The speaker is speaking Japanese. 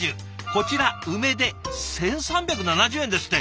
こちら梅で１，３７０円ですって。